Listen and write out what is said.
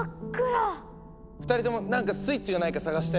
２人とも何かスイッチがないか探して。